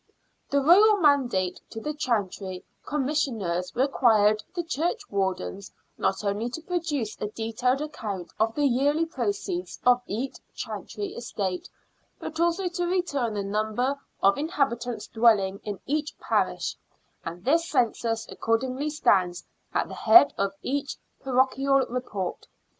The Royal mandate to the Chantry Com missioners required the churchwardens not only to produce a detailed account of the yearly proceeds of each chantry estate, but also to return the number of inhabitants dwelling in each parish, and this census accordingly stands at the head of each parochial report.